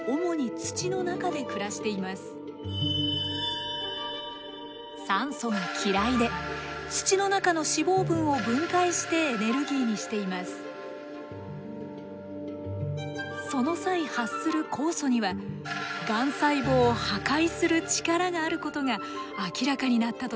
その際発する酵素にはがん細胞を破壊する力があることが明らかになったというのです。